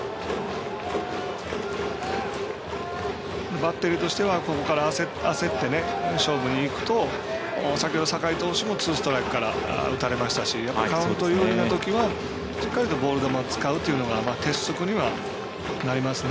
バッテリーとしてはここから焦って勝負にいくと先ほど、酒居投手もツーストライクから打たれましたしカウント有利なときはしっかりとボール球を使うというのが鉄則にはなりますね。